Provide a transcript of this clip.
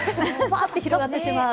広がってしまう。